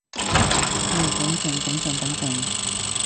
喂等陣等陣等陣